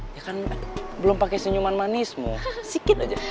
ya kan belum pakai senyuman manis sikit aja